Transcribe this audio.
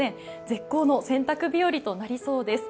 絶好の洗濯日和となりそうです。